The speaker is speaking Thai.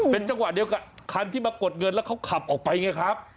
เป็นจังหวะเดียวกับคันที่มากดเงินแล้วเขาขับออกไปไงครับ